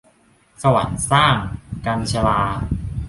สวรรค์สร้าง - กัญญ์ชลา